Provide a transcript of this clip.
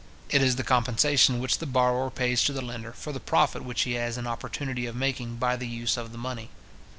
It is the compensation which the borrower pays to the lender, for the profit which he has an opportunity of making by the use of the money.